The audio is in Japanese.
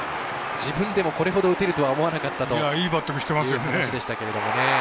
自分でもこれほど打てるとは思わなかったという話でしたが。